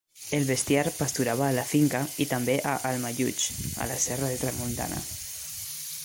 El bestiar pasturava a la finca i també a Almallutx, a la Serra de Tramuntana.